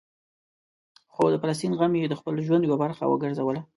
خو د فلسطین غم یې د خپل ژوند یوه برخه وګرځوله.